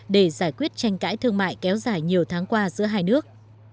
để giải quyết tranh cãi thương mại kéo dài nhiều tháng qua giữa hai nước